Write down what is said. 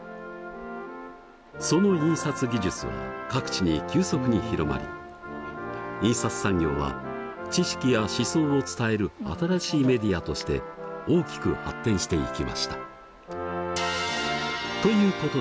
その印刷技術は各地に急速に広まり印刷産業は知識や思想を伝える新しいメディアとして大きく発展していきました。